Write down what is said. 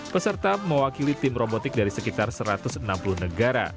peserta mewakili tim robotik dari sekitar satu ratus enam puluh negara